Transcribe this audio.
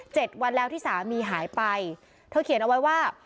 วันแล้วที่สามีหายไปเธอเขียนเอาไว้ว่า